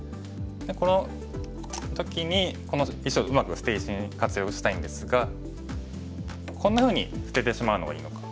この時にこの石をうまく捨て石に活用したいんですがこんなふうに捨ててしまうのがいいのか。